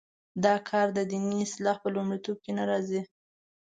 دا کار د دیني اصلاح په لومړیتوبونو کې نه راځي.